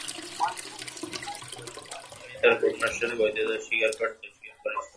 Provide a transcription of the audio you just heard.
তিনি তার কোর্ট-মার্শালের বৈধতা স্বীকার করতে অস্বীকার করেছিলেন।